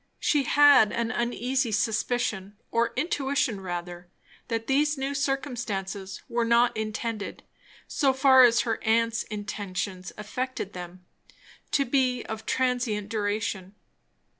She had an uneasy suspicion, or intuition rather, that these new circumstances were not intended, so far as her aunt's intentions affected them, to be of transient duration.